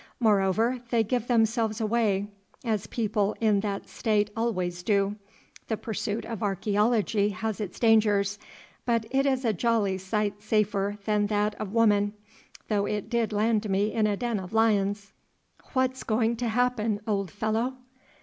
Moreover, they give themselves away, as people in that state always do. The pursuit of archæology has its dangers, but it is a jolly sight safer than that of woman, though it did land me in a den of lions. What's going to happen, old fellow?"